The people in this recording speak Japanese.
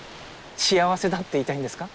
幸せだって言いたいんですか？